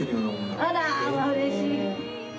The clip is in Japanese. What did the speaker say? あらー、うれしい。